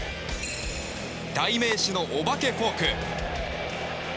代名詞のお化けフォーク。